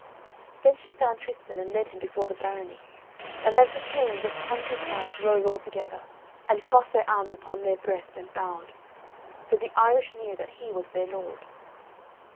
Then she found Tristan and led him before the Barony. And as he came the hundred knights rose all together, and crossed their arms upon their breasts and bowed, so the Irish knew that he was their lord.